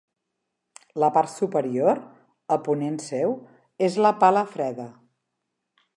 La part superior, a ponent seu, és la Pala Freda.